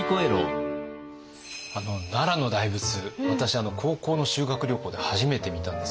奈良の大仏私高校の修学旅行で初めて見たんです。